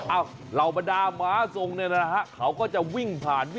เหล่าบรรดาม้าทรงเนี่ยนะฮะเขาก็จะวิ่งผ่าน